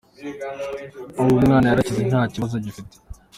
Ubu umwana yarakize nta kibazo agifite”.